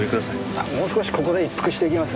あっもう少しここで一服していきます。